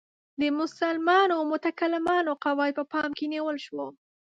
د مسلمانو متکلمانو قواعد په پام کې نیول شو.